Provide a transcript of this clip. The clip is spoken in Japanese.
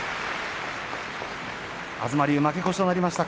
東龍、負け越しとなりました